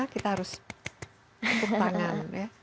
kita harus tepuk tangan ya